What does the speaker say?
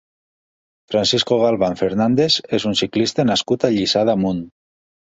Francisco Galván Fernández és un ciclista nascut a Lliçà d'Amunt.